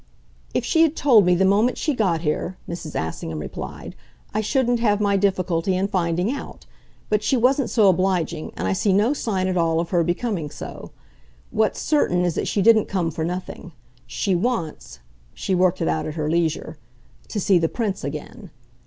"If she had told me the moment she got here," Mrs. Assingham replied, "I shouldn't have my difficulty in finding out. But she wasn't so obliging, and I see no sign at all of her becoming so. What's certain is that she didn't come for nothing. She wants" she worked it out at her leisure "to see the Prince again.